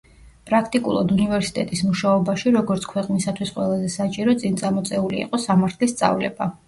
პრაქტიკულად უნივერსიტეტის მუშაობაში როგორც ქვეყნისათვის ყველაზე საჭირო წინ წამოწეული იყო სამართლის სწავლება.